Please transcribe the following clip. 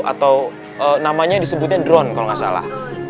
atau namanya disebutnya drone kalau nggak salah